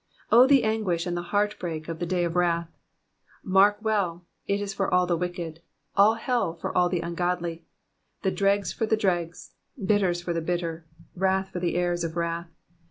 Oh the anguish and the heart break of the day of wrath ! Mark well, it is for all the wicked ; all hell for all the ungodly ; the dregs for the dregs ; bitters for the bitter ; wrath for the heirs of wrath.